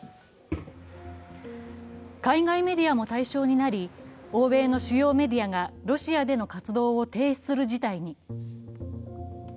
海外メディアも対象になり、欧米の主要メディアがロシアでの活動を停止する事態に。